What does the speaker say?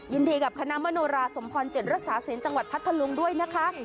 ยินดีกับคณะมโนราสมพร๗รักษาศีลจังหวัดพัทธลุงด้วยนะคะ